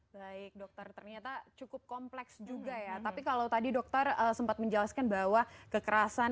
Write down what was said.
baik dokter ternyata cukup kompleks juga ya tapi kalau tadi dokter sempat menjelaskan bahwa kekerasan